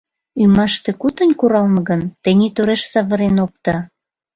— Ӱмаште кутынь куралме гын, тений тореш савырен опто.